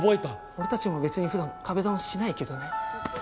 俺たちも別に普段壁ドンはしないけどね。